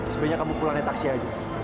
sebenernya kamu pulangin taksi aja